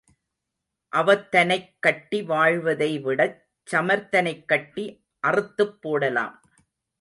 அவத்தனைக் கட்டி வாழ்வதை விடச் சமர்த்தனைக் கட்டி அறுத்துப் போடலாம்.